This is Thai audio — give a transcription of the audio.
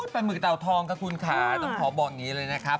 ปลาหมึกเตาทองขอบอกนี้เลยนะครับ